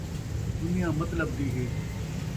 دنیا مطلب دی ہے